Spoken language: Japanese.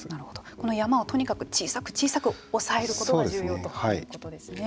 この山をとにかく小さく小さく抑えることが重要ということですね。